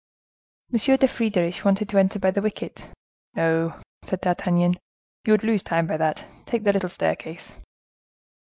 M. de Friedisch wanted to enter by the wicket. "No," said D'Artagnan, "you would lose time by that; take the little staircase."